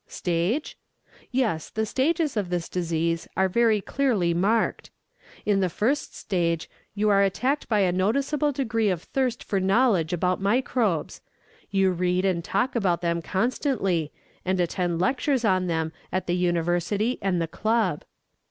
Stage? Yes, the stages of this disease are very clearly marked. In the first stage, you are attacked by a noticeable degree of thirst for knowledge about microbes; you read and talk about them constantly, and attend lectures on them at the university and the club.